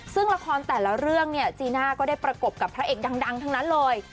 ซึ่งละครแต่ละเรื่องเนี่ยจีน่าก็ได้ประกบกับพระเอกดังทั้งนั้นเลย